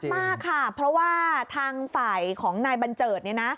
มากค่ะเพราะว่าทางฝ่ายของนายบัญเจิด